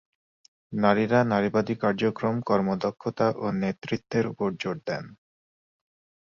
নারীরা নারীবাদী কার্যক্রম, কর্মদক্ষতা ও নেতৃত্বের উপর জোর দেন।